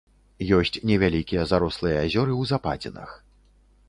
Ёсць невялікія зарослыя азёры ў западзінах.